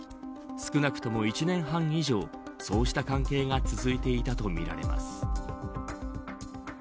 少なくとも１年半以上そうした関係が続いていたとみられます。